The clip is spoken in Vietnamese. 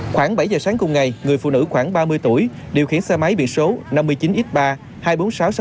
khoảng bảy giờ sáng cùng ngày người phụ nữ khoảng ba mươi tuổi điều khiển xe máy bị số năm mươi chín x ba hai mươi bốn nghìn sáu trăm sáu mươi